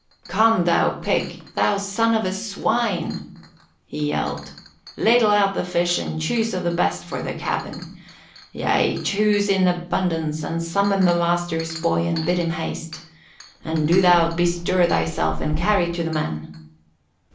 "Come, thou pig! Thou son of a swine!" he yelled. "Ladle out the fish and choose of the best for the cabin. Yea, choose in abundance and summon the master's boy and bid him haste. And do thou bestir thyself and carry to the men."